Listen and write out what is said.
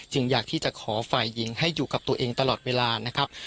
อยากที่จะขอฝ่ายหญิงให้อยู่กับตัวเองตลอดเวลานะครับ